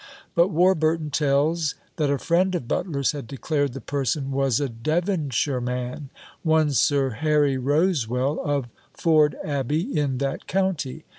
But Warburton tells, that a friend of Butler's had declared the person was a Devonshire man one Sir Harry Rosewell, of Ford Abbey, in that county.